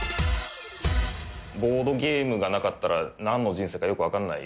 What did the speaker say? ボードゲームがなかったら、なんの人生かよく分かんない。